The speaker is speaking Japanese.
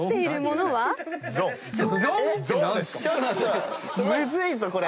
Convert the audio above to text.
えっ⁉ちょっとむずいぞこれ！